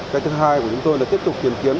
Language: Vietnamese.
cái thứ hai của chúng tôi là tiếp tục tìm kiếm